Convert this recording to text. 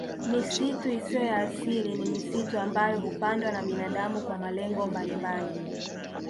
Misitu isiyo ya asili ni misitu ambayo hupandwa na binadamu kwa malengo mbalimbali